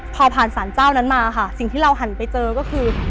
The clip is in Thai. พอผ่านสารเจ้านั้นมาค่ะสิ่งที่เราหันไปเจอก็คือ